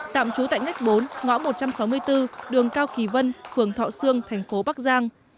tạm trú tại ngách bốn ngõ một trăm sáu mươi bốn đường cao kỳ vân phường thọ sương thành phố bắc giang